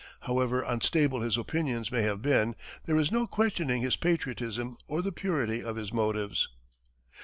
However unstable his opinions may have been, there is no questioning his patriotism or the purity of his motives.